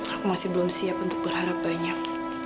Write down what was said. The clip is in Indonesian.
aku masih belum siap untuk berharap banyak